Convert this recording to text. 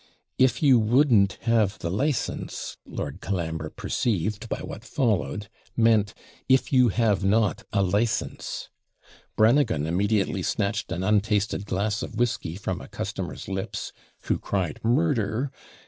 'IF YOU WOULDN'T HAVE THE LICENCE,' Lord Colambre perceived, by what followed, meant, 'IF YOU HAVE NOT A LICENCE.' Brannagan immediately snatched an untasted glass of whisky from a customer's lips (who cried, Murder!)